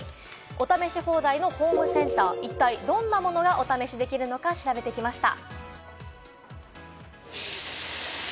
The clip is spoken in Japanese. お試し放題のホームセンター、一体どんなものがお試しできるのか調べてきました。